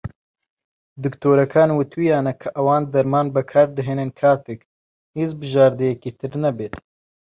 دکتۆرەکان وتوویانە کە ئەوان دەرمان بەکار دەهێنن کاتێک "هیچ بژاردەیەکی تر نەبێت".